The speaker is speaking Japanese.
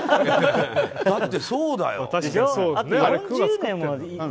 だって、そうだよ。